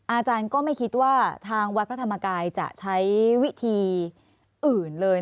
อาจารย์ก็ไม่คิดว่าทางวัดพระธรรมกายจะใช้วิธีอื่นเลย